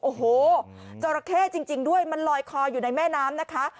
โอ้โหเจ้าระเท่จริงด้วยมันลอยคออยู่ในแม่น้ำ